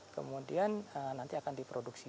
kemudian nanti akan diproduksi